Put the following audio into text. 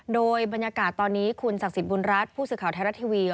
โดยบรรยากาศตอนนี้คุณศักดิ์สิทธิบุญรัฐผู้สื่อข่าวไทยรัฐทีวี